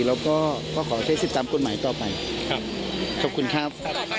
แล้วก็ก็ขอใช้สิทธิ์ตามกฎหมายต่อไปครับขอบคุณครับ